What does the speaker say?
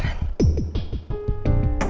lo harus lawan aldebaran